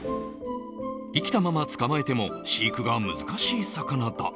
生きたまま捕まえても飼育が難しい魚だ。